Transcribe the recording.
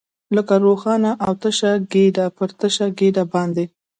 لکه روښانه او تشه ګېډه، پر تشه ګېډه باندې.